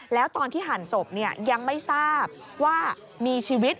แล้วตอนที่หั่นศพยังไม่ทราบว่ามีชีวิต